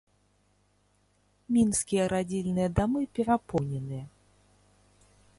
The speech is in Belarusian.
Мінскія радзільныя дамы перапоўненыя.